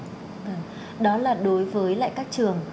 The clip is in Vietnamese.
đó là đối với lại các trường